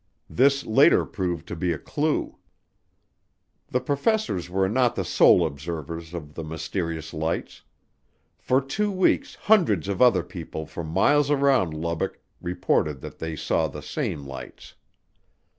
This later proved to be a clue. The professors were not the sole observers of the mysterious lights. For two weeks hundreds of other people for miles around Lubbock reported that they saw the same lights.